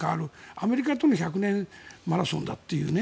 アメリカとの１００年マラソンだという。